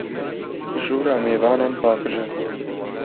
Jûra mêvanan paqij e.